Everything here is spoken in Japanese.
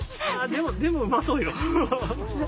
でもうまそうよ。